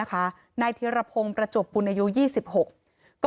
ไหน่เทราโพงพจบอัน๒๖ปรับเปลี่ยน